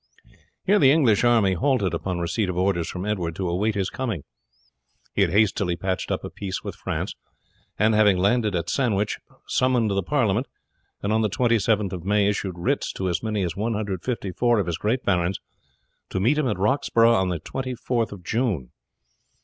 Here the English army halted upon receipt of orders from Edward to wait his coming. He had hastily patched up a peace with France, and, having landed at Sandwich, summoned the parliament, and on the 27th of May issued writs to as many as 154 of his great barons to meet him at Roxburgh on the 24th of June.